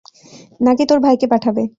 নাকি তোর ভাইকে পাঠাবে?